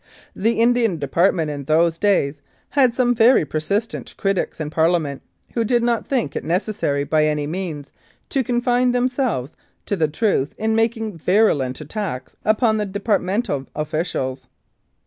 The Indian Department in those days had some very persistent critics in Parliament, who did not think it necessary by any means to confine themselves to the truth in making virulent attacks upon the departmental officials.